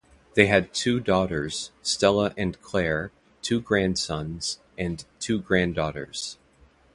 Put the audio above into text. They had two daughters, Stella and Claire, two grandsons and two granddaughters.